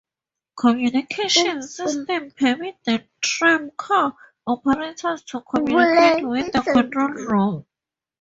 Communications systems permit the tram car operators to communicate with the control room.